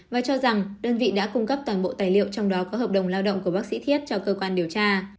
và cho rằng đơn vị đã cung cấp toàn bộ tài liệu trong đó có hợp đồng lao động của bác sĩ thiết cho cơ quan điều tra